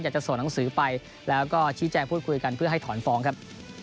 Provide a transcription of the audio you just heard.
จะส่งหนังสือไปแล้วก็ชี้แจงพูดคุยกันเพื่อให้ถอนฟ้องครับ